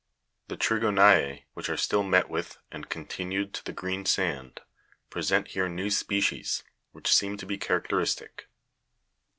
The trigo'nise, which are still met with and continued to the green sand, present here new species (fig. 119), which seem to be characteris tic.